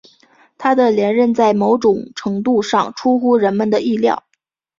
他的连任在某种程度上出乎人们的意料。